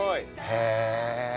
へえ。